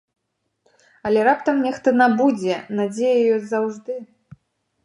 Але раптам нехта набудзе, надзея ёсць заўжды.